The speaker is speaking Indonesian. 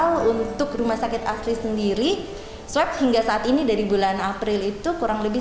jadi total untuk rumah sakit asri sendiri swab hingga sa t ini dari bulan april itu kurang lebih